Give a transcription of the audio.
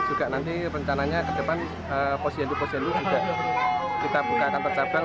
juga nanti rencananya ke depan posyandu posyandu juga kita buka kantor cabang